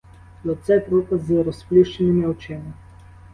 Лице трупа з розплющеними очима.